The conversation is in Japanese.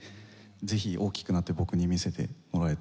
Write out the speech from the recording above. ぜひ大きくなって僕に見せてもらえたら嬉しいです。